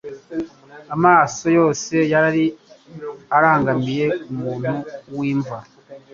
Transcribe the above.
Amaso yose yari arangamiye umuntu w'imva.